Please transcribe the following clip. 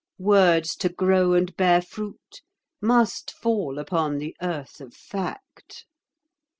Words to grow and bear fruit must fall upon the earth of fact."